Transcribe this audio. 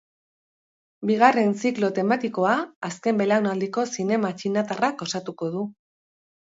Bigarren ziklo tematikoa azken belaunaldiko zinema txinatarrak osatuko du.